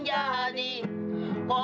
kau juga lalu